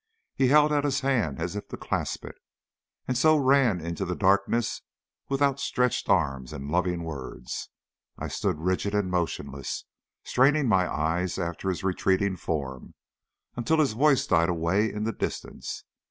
He held out his hands as if to clasp it, and so ran into the darkness with outstretched arms and loving words. I still stood rigid and motionless, straining my eyes after his retreating form, until his voice died away in the distance.